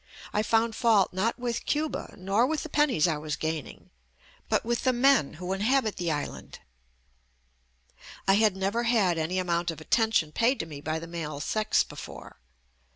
5 ' I found fault not with Cuba nor with the pen nies I was gaining, but with the men who in habit the island. I had never had any amount of attention paid to me by the male sex before.